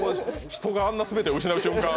人があんな全てを失う瞬間。